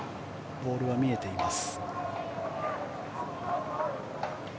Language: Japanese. ボールは見えています。